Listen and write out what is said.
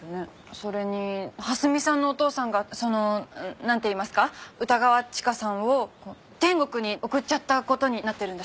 それに蓮見さんのお父さんがそのなんていいますか歌川チカさんを天国に送っちゃった事になってるんだし。